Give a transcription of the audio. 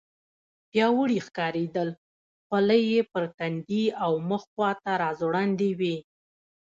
پیاوړي ښکارېدل، خولۍ یې پر تندي او مخ خواته راځوړندې وې.